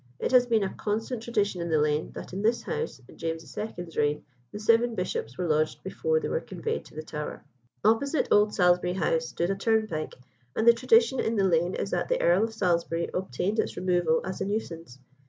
It has been a constant tradition in the lane, that in this house, in James II.'s reign, the seven bishops were lodged before they were conveyed to the Tower. Opposite old Salisbury House stood a turnpike, and the tradition in the lane is that the Earl of Salisbury obtained its removal as a nuisance.